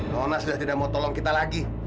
nona sudah tidak mau tolong kita lagi